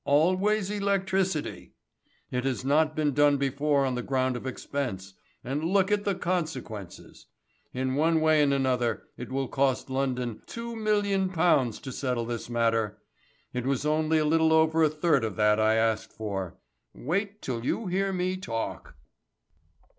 Always electricity. It has not been done before on the ground of expense, and look at the consequences! In one way and another it will cost London £2,000,000 to settle this matter. It was only a little over a third of that I asked for. Wait till you hear me talk!"